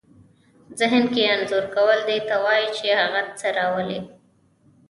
ذهن کې انځور کول دې ته وايي چې هغه څه راولئ.